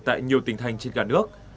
tại nhiều tỉnh thành trên cả nước